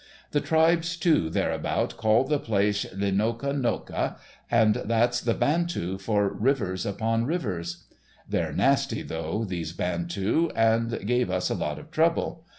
The tribes, too, thereabout call the place Linoka Noka, and that's the Bantu for rivers upon rivers. They're nasty, though, these Bantu, and gave us a lot of trouble.